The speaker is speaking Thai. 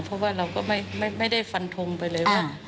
เพราะว่าเราก็ไม่ได้ฟันทงไปเลยว่า